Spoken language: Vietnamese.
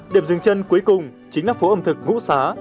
điểm dừng chân cuối cùng chính là phố ẩm thực ngũ xá